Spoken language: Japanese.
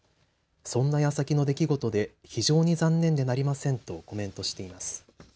そんなやさきの出来事で非常に残念でなりませんとコメントしています。